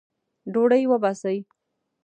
ډوډۍ وباسئ